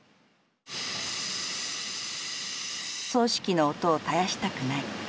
繰糸機の音を絶やしたくない。